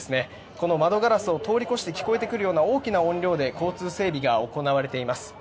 この窓ガラスを通り越して聞こえてくるような大きな音量で交通整理が行われています。